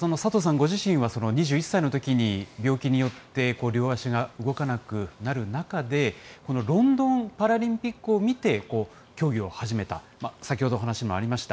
ご自身は２１歳のときに病気によって両足が動かなくなる中で、ロンドンパラリンピックを見て競技を始めた、先ほど話にもありました。